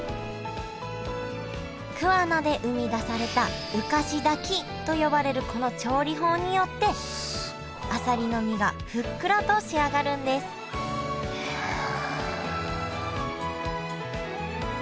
桑名で生み出された浮かし炊きと呼ばれるこの調理法によってあさりの身がふっくらと仕上がるんですへえ。